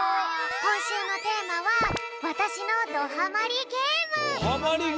こんしゅうのテーマはどハマりゲーム？